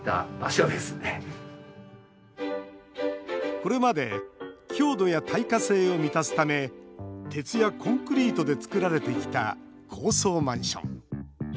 これまで強度や耐火性を満たすため鉄やコンクリートで造られてきた高層マンション。